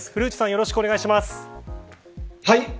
よろしくお願いします。